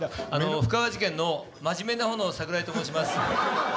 布川事件の真面目な方の桜井と申します。